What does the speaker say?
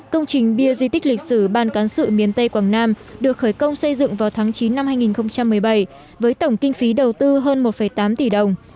công trình bia di tích lịch sử ban cán sự miền tây quảng nam được khởi công xây dựng vào tháng chín năm hai nghìn một mươi bảy với tổng kinh phí đầu tư hơn một tám tỷ đồng